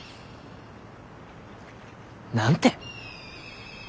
何て？